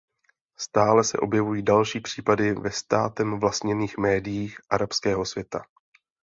Stále se objevují další případy ve státem vlastněných médiích arabského světa.